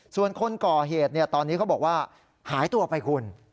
ส่วนคนก่อเหตุตอนนี้เขาบอกว่าหายตัวไปคุณ